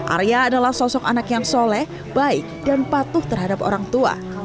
arya adalah sosok anak yang soleh baik dan patuh terhadap orang tua